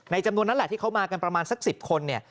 จำนวนนั้นแหละที่เขามากันประมาณสัก๑๐คนเนี่ย